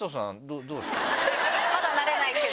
まだ慣れないけど。